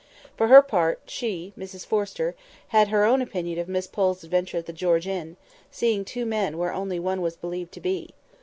For her part, she, Mrs Forrester, had always had her own opinion of Miss Pole's adventure at the "George Inn"—seeing two men where only one was believed to be.